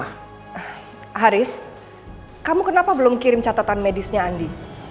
haris kamu kenapa belum kirim catatan medisnya andi